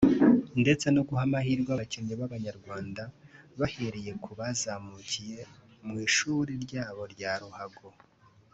ndetse no guha amahirwe abakinnyi b’abanyarwanda bahereye ku bazamukiye mu ishuri ryabo rya ruhago